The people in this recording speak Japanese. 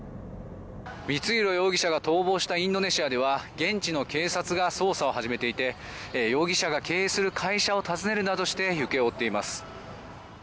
光弘容疑者が逃亡したインドネシアでは現地の警察が捜査を始めていて容疑者が経営する会社を訪ねるなどして行方を追っています。